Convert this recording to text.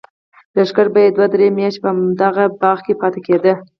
لښکر به یې دوه درې میاشتې په همدې باغ کې پاتې کېده.